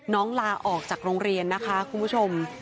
ลาออกจากโรงเรียนนะคะคุณผู้ชม